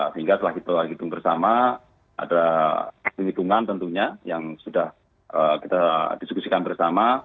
sehingga setelah kita hitung bersama ada lingkungan tentunya yang sudah kita diskusikan bersama